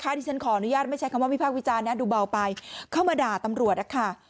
ที่ฉันขออนุญาตไม่ใช้คำว่าวิพากษ์วิจารณนะดูเบาไปเข้ามาด่าตำรวจนะคะ